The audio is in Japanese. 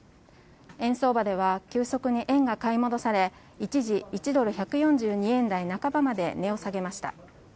円相場では急速に円が買い戻され一時１ドル＝１４２円台半ばまで値を下げました。